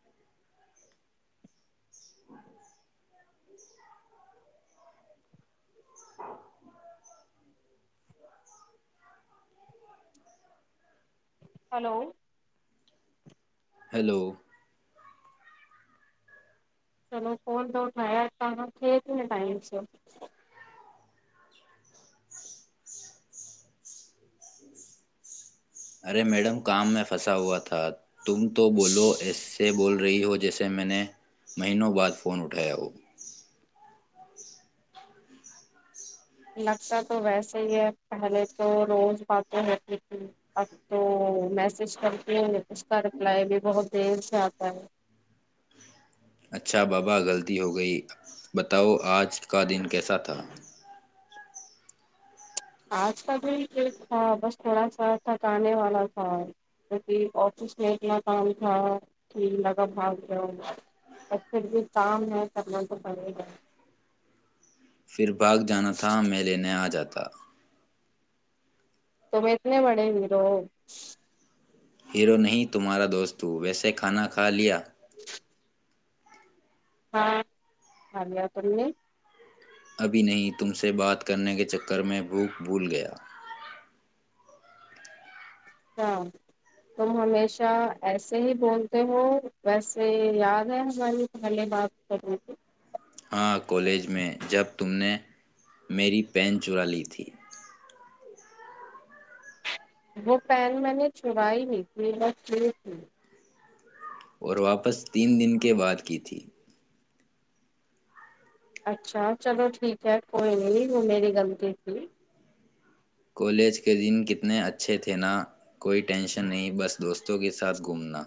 ہ [inaudible] اچھا [inaudible] hello [inaudible] hello [inaudible] چلو فون توٹھر کہ تھ کہ ٹائم سے [unintelligible] ارے میڈم کام میں پھنسا ہوا تھا [unintelligible] تم تو بولو ایس [unintelligible] سے بول رہی ہو جیسے میں نے مہینوں بعد فون اٹھایا ہو [unintelligible] لگتا تو ویسے ہی ہے پہلے تو روز باتیں ہے کی اب تو میسج کرتی ہ اس کا رپلائی بھی بہت دیر سے آتا ہے [unintelligible] اچھا بابا غلطی ہو گئی بتاؤ آج کا دن کیسا تھا [unintelligible] آج کا بھی ایک تھا بس تھوڑا سا تھکانے والا تھا ج آفس میں اتنا کام تھا کہھیک لگا بھاگ ل ا پھر بھی کام ہے کرنا تو پڑے گا [unintelligible] پھر بھاگ جانا تھا میں لینے آ جاتا [unintelligible] تم اتنے بڑے میرو [unintelligible] ہیرو نہیں تمہارا دوستوں ویسے کھانا کھا لیا [unintelligible] ہاں خال آ تم نے [unintelligible] ابھی نہیں تم سے بات کرنے کے چکر میں بھوک بھول گیا [unintelligible] اھاں تم ہمیشہ ایسے ہی بولتے ہو ویسے یاد ہے ہماری پہلے بات کرنے کی [unintelligible] ہاں کالج میں جب تم نے میری پین چرا لی تھی [unintelligible] وہ پین میں نے چھوائی ہی تھی ب چ تھی [unintelligible] اور واپس تین دن کے بعد کی تھی اچھا چلو ٹھیک ہے کوئی نہیں وہ میری غلطی تھی کالج کے دن کتنے اچھے تھے نا کوئی ٹینشن نہیں بس دوستوں کے ساتھ گھومنا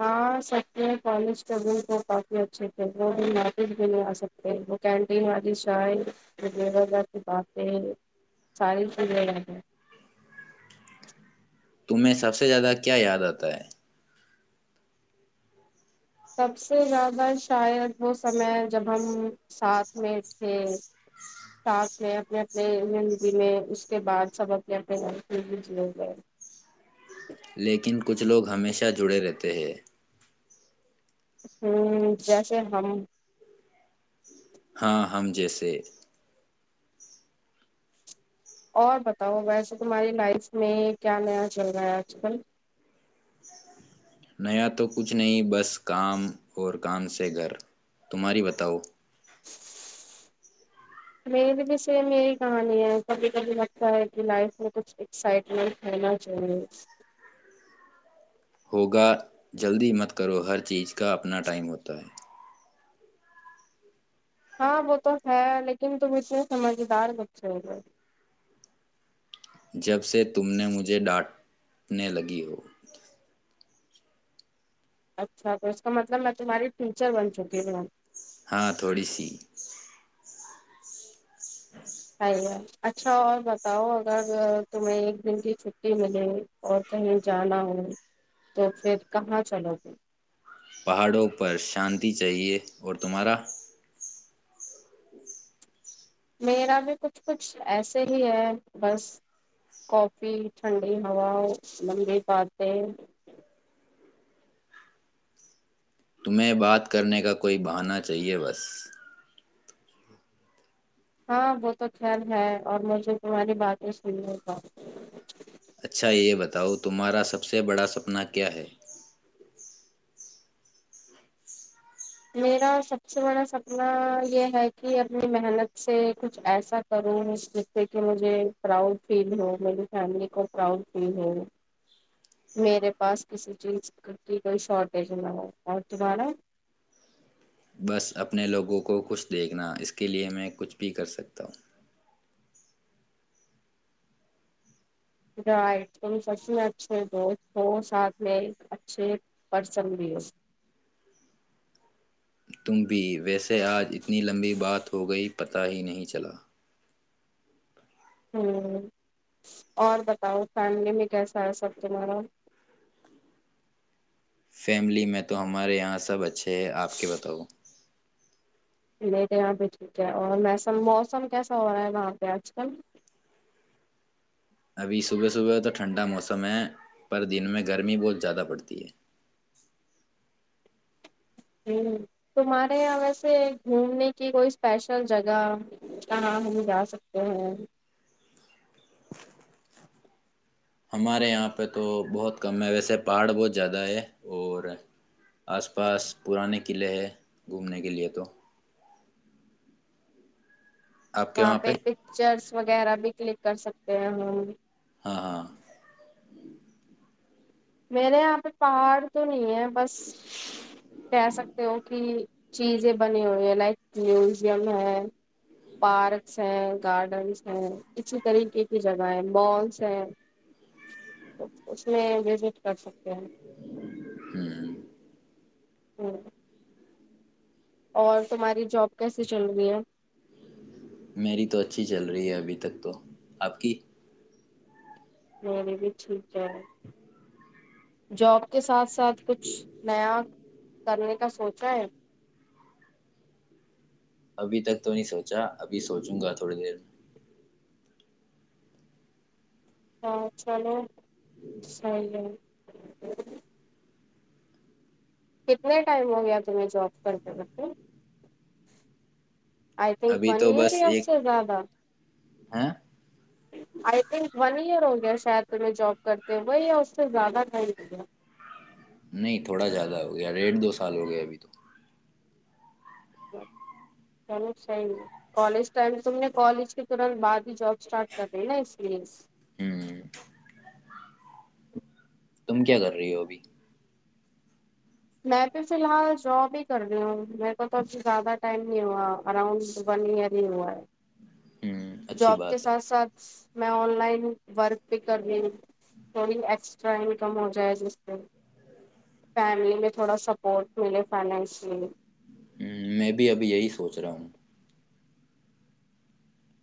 ہاں سکتے ہیں کانسٹیبل کو کافی اچھے تھے وہ بھی نافذ بھی نہیں آ سکتے وہ کینٹین والی شائے لی کی باتیں ساری چز ہیں تمہیں سب سے زیادہ کیا یاد آتا ہے سب سے زیادہ شاید وہ سمے جب ہم ساتھ میں تھے ساتھ میں اپنے اپنے زندگی میں اس کے بعد سب اپنے اپنے گ میں بھیجلے گئے لیکن کچھ لوگ ہمیشہ جڑے رہتے ہیں ہوں جیسے ہم ہاں ہم جیسے اور بتاؤ ویسے تمہاری لائف میں کیا نیا چل رہا ہے آج کل نیا تو کچھ نہیں بس کام اور کام سے گھر تمہاری بتاؤ میری بھی سیف یہی کہانی ہے کبھی کبھی لگتا ہے کہ لائف میں کچھ ایکسائٹمنٹ رہنا چاہیے ہو گا جلدی مت کرو ہر چیز کا اپنا ٹائم ہوتا ہے ہاں وہ تو ہے لیکن تم اتنے سمجھدار بچے ہو جب سے تم نے مجھے ڈانٹنے لگی ہو اچھا تو اس کا مطلب میں تمہاری ٹیچر بن چکی ہوں ہاں تھوڑی سی ہاں ہ اچھا اور بتاؤ اگر تمہیں ایک دن کی چھٹی ملے اور کہیں جانا ہو تو پھر کہاں چلو گے پہاڑوں پر شانتی چاہیے اور تمہارا میرا بھی کچھ کچھ ایسے ہی ہے بس کافی ٹھنڈی ہوا لمبی باتیں تمہیں بات کرنے کا کوئی بہانہ چاہیے بس ہاں وہ تو خل ہے اور مجھے تمہاری باتیں سنیے گ اچھا یہ بتاؤ تمہارا سب سے بڑا سپنا کیا ہے میرا سب سے بڑا سپنا یہ ہے کہ اپنی محنت سے کچھ ایسا کروں جس سے کہ مجھے پراؤڈ فیل ہو میری فیملی کو پراؤڈ فیل ہو میرے پاس کسی چیز کی کوئی شارٹیج نہ ہو اور تمہارا بس اپنے لوگوں کو خوھ دیکھنا اس کے لیئے میں کچھ بھی کر سکتا ہوں رائٹ تم سب سے اچھے دوست ہو ساتھ میں ایک اچھے پرسن بھی اس تم بھی ویسے آج اتنی لمبی بات ہو گئی پت ہی نہیں چلا ہ اور بتاؤ فیملی میں کیسا ہے سب تمہارا فیملی میں تو ہمارے یہاں سب اچھے ہیں آپ کے بتاؤ لیٹ یہاں پہ ٹھیک ہے اور میسم موسم کیسا ہو رہا ہے وہاں پہ آج کل ابھی صبح صبح تو ٹھنڈا موسم ہے پر دن میں گرمی بہت زیادہ پڑتی ہے ج تمہارے یہاں ویسے گھومنے کی کوئی اسپیشل جگہ کہاں ہم جا سکتے ہیں ہمارے یہاں پہ تو بہت کم ہے ویسے پہاڑ بہت زیادہ ہے اور آس پاس پرانے قلعے ہے گھومنے کے لیے تو وہاں پہ پکچرس وغ وغیرہ بھی کل کر سکتے ہیں ہم ہاں ہاں میرے یہاں پہ پہاڑ تو نہیں ہے بس کہہ سکتے ہو کہ چیزیں بنی ہوئی ہیں لائک میوزیم ہے پارکس ہیں گارڈنس ہیں اسی طریقے کی جگہیں مالس ہیں اس میں وز رکھ سکتے ہیں ہ ہوں اور تمہاری جاب کیسے چل رہی ہے میری تو اچھی چل رہی ہے ابھی تک تو آپ کی مری بھی ٹھیک ہے جاب کے ساتھ ساتھ کچھ نیا کرنے کا سوچا ہے [unintelligible] ابھی تک تو نہیں سوچا ابھی سوچوں گا تھوڑی دیر ہ چلو صیح ہے [unintelligible] کتنے ٹائم ہو گیا تمہیں جاب کرتے بتے آئی تھنک ابھی ون تو ایئر ہی بس اس ایک سے زیادہ ہیں آئی تھنک ون ایئر [unintelligible] شاید پ جاب کرتے ہو وہ یا اس سے زیادہ کائی دیا نہیں تھوڑا زیادہ ہو گیا ڈیڑھ دو سال ہو گیا ابھی تو چلو [unintelligible] ٹ کالج ٹائم ت نے [unintelligible] کالج کے ترت بعد ہی جاب [unintelligible] اسٹارٹ کر رہی ہیں نا ایس پ ایس [unintelligible] ہوں تم کیا کر رہی ہو ابھی [unintelligible] میں بھی فی الحال جاب ہی کر رہی ہوں میرے کو تو ا زیادہ ٹائم نہیں ہوا اراؤنڈ ون ایئر ہی ہوا ہوں ہے اچھی جاب کے بات ہے ساتھ ساتھ میں آن لائن ورک بھیہ کر رہی ہوں تھوڑی ایکسٹرا انکم ہو جائے جس سے فیملی میں تھوڑا سپورٹ ملے فائنشلی ہ میں بھی ابھی یہی سوچ رہا ہوں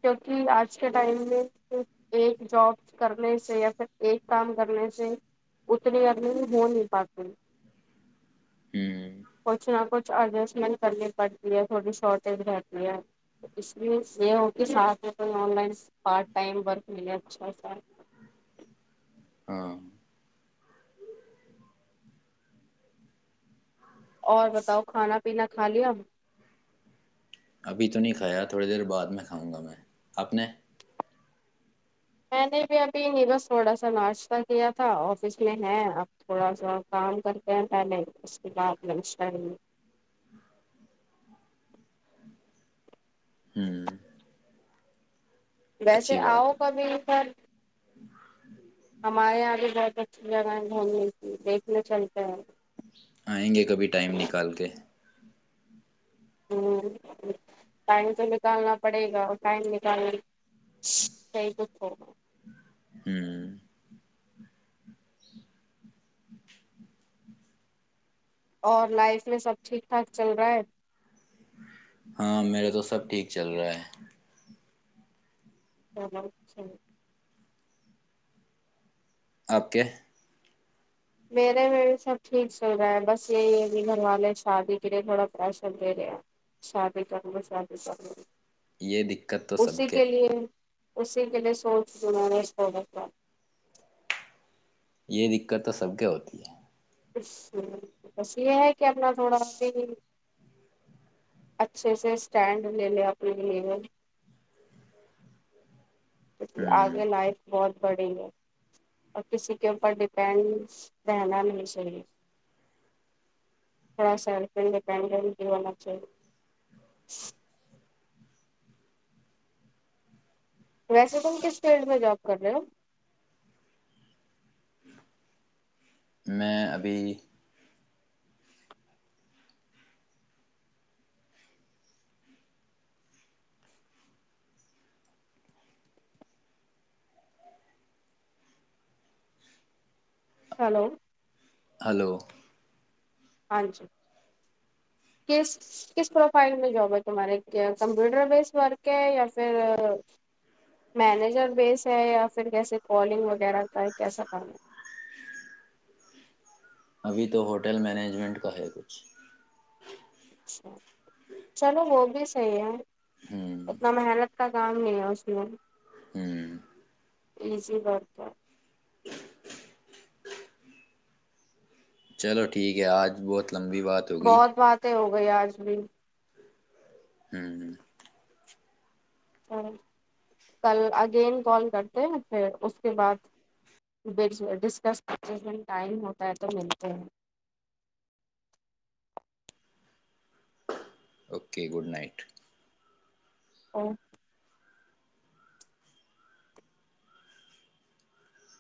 کیونکہ آج کے ٹائم میں ص ایک جاب کرنے سے یا پھر ایک کام کرنے سے اتنی ارننگ ہو نہیں پاتی ہوں پچے آپ [unintelligible] چ اڈجسٹمنٹ کرنی پڑتی ہے تھوڑی شارٹیج رہتی ہے اس لیے ساتھ online part time work مے اچھا سا ہاں اور بتاؤ کھانا پینا کھا لیا ابھی تو نہیں کھایا تھوڑی دیر بعد میں کھاؤں گا میں آپ نے میں نے بھی ابھی نہیں بس تھوڑا سا ناشتہ کیا تھا آفس میں ہے اب تھوڑا سا کام کرتے ہیں میں نے اس کے بعد لنچ ٹائم ہوں [unintelligible] ویسے اچھی آؤ بات ہے کبھیل پر ہمارے یہاں یہ بہت اچھی جگہ ہے گھومنے کی دیکھنے چلتا ہے [unintelligible] آئیں گے کبھی ٹائم نکال کے ہ ٹائم تو نکالنا پڑے گا اور ٹائم نکالنا صحی د ہو ہوں اور لائف میں سب ٹھیک ٹھاک چل رہا ہے ہاں میرا تو سب ٹھیک چل رہا ہے ہچچی آپ کے میرے میں بھی سب ٹھیک چل رہا ہے بس یہی ہے کہ گھر والے شادی کے لیے تھوڑا پریشر دے رہے شادی کروں شادی کر لوں یہ دقت تو سب کے اسی کے لیے سوچ جوں نے سبت ک یہ دقت تو سب کے ہوتی ہے بس یہ ہے کہ اپنا تھوڑا س اچھے سے اسٹینڈ لے لے اپنے لیے ج ہوں آگے لائف بہت بڑیں گے اور کسی کے اوپر ڈپینڈ رہنا نہیں چاہیے تھوڑا سی ڈیپینڈنٹ بھی ہونا چاہیے ویسے تم کس فیلڈ میں جاب کر رہے ہو میں ابھی ہلو ہلو ہاں جی کس کس پروفائل میں جاب ہے تمہارے کمپیوٹر بیسڈ ورک ہے یا پھر مینجر بیس ہے یا پھر کیسے کالنگ وغیرہ کا ہے کیسا کرنا ابھی تو ہوٹل مینجمنٹ کا ہے کچھ اچھا چلو وہ بھی صحیح ہے ہوں اتنا محنت کا کام نہیں ہے اس دن ہوں ایزی برک ہے چلو ٹھیک ہے آج بہت لمبی بات ہوگی بہت باتیں ہو گیا آج بھی ہوں ہ کل اگین کال کرتے ہیں پھر اس کے بعد ڈسکس کرتے ٹائم ہوتا ہے تو ملتے ہیں اوکے گڈ نائٹ او [unintelligible]